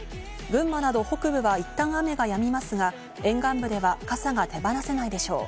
群馬など北部はいったん雨がやみますが沿岸部では傘が手放せないでしょう。